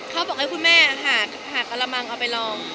เขาบอกให้คุณแม่หากระมังเอาไปลอง